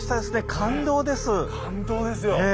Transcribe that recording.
感動ですよ。